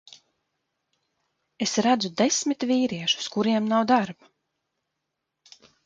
Es redzu desmit vīriešus, kuriem nav darba.